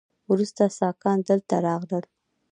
وروسته ساکان دلته راغلل